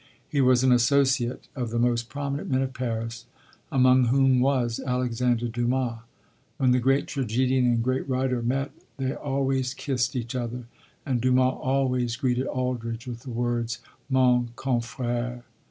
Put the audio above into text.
He was an associate of the most prominent men of Paris, among whom was Alexander Dumas. When the great tragedian and great writer met they always kissed each other, and Dumas always greeted Aldridge with the words Mon Confrère.